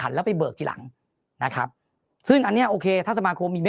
แล้วไปเบิกทีหลังนะครับซึ่งอันเนี้ยโอเคถ้าสมาคมมี